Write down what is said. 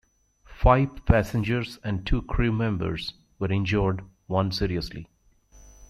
Five passengers and two crew members were injured, one seriously.